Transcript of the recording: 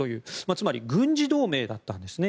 つまり軍事同盟だったんです。